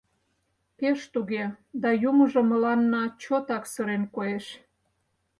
Пеш туге, да юмыжо мыланна чотак сырен коеш.